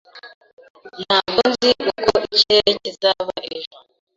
Ntabwo nzi uko ikirere kizaba ejo